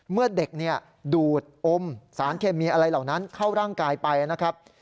เมื่อเด็กดูดอมสารเคมีอะไรเหล่านั้นเข้าร่างกายไปนะครับ